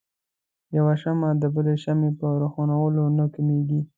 يوه شمعه د بلې شمعې په روښانؤلو نه کميږي.